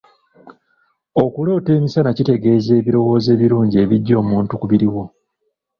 Okuloota emisana kitegeeza ebirowoozo ebirungi ebiggya omuntu ku biriwo.